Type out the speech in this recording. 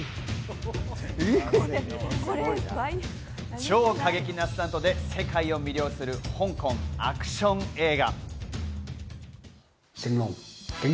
超過激なスタントで世界を魅了する香港アクション映画。